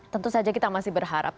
tentu saja kita masih berharap